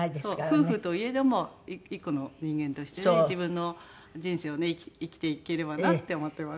夫婦といえども一個の人間としてね自分の人生を生きていければなって思ってます。